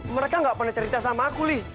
mereka nggak pernah cerita sama aku li